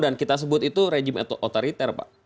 dan kita sebut itu rejim otoriter pak